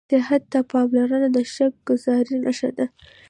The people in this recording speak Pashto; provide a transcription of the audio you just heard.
صحت ته پاملرنه د شکرګذارۍ نښه ده